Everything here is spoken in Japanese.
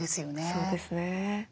そうですね。